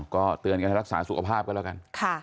ก็เตือนกันให้รักษาสุขภาพกันแล้วกัน